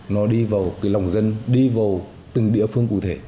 nó đi vào cái lòng dân đi vào từng địa phương cụ thể